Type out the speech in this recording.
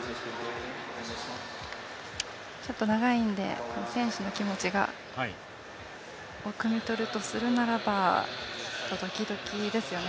長いので選手の気持ちをくみ取るとするならばドキドキですよね。